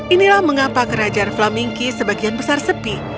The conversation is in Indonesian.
inilah mengapa kerajaan flamingki sebagian besar sepi